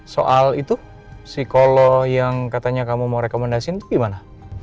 soal itu psikolog yang katanya kamu mau rekomendasiin itu gimana